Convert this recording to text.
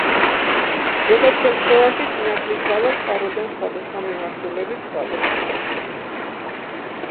ზოგად შემთხვევაში სინათლის ძალა წყაროდან სხვადასხვა მიმართულებით სხვადასხვაა.